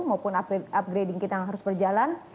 maupun upgrading kita yang harus berjalan